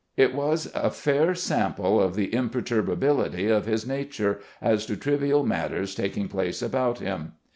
It was a fair sample of the imperturbability of his nature as to trivial matters tak ing place about him.